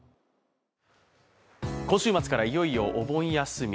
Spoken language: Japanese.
今週末からいよいよお盆休み。